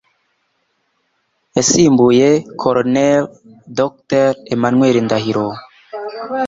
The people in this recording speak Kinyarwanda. yasimbuye Colonel Dr. Emmanuel Ndahiro,